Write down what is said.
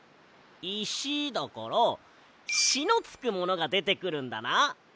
いしだから「し」のつくものがでてくるんだな。